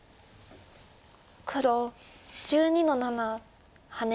黒１２の七ハネ。